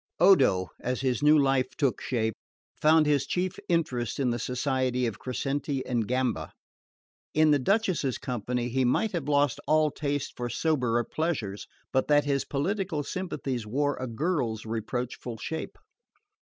Odo, as his new life took shape, found his chief interest in the society of Crescenti and Gamba. In the Duchess's company he might have lost all taste for soberer pleasures, but that his political sympathies wore a girl's reproachful shape.